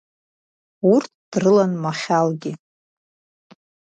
Урҭ дрылан Махьалгьы.